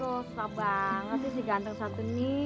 serah banget sih si ganteng satu ini